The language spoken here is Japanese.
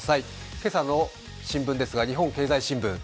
今朝の新聞ですが「日本経済新聞」。